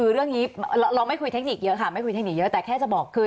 เราไม่คุยเทคนิคเยอะค่ะแล้วแต่แค่จะบอก